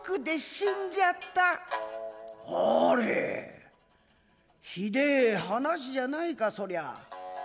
「あれひでえ話じゃ無いかそりゃ。